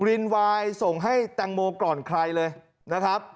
รินวายส่งให้แตงโมก่อนใครเลยนะครับ